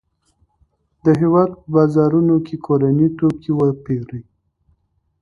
د هېواد په بازارونو کې کورني توکي وپیرئ.